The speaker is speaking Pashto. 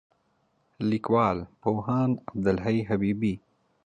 لیکوال: پوهاند عبدالحی حبیبي